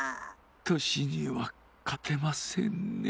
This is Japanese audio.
としにはかてませんね。